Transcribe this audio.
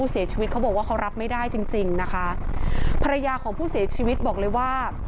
เสียชีวิตเขาบอกว่าเขารับไม่ได้จริงจริงนะคะภรรยาของผู้เสียชีวิตบอกเลยว่า